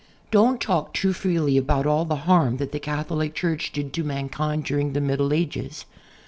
Don't talk too freely about all the harm that the Catholic Church did to mankind during the Middle Ages.